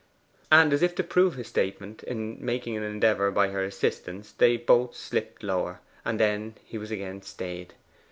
And as if to prove his statement, in making an endeavour by her assistance they both slipped lower, and then he was again stayed.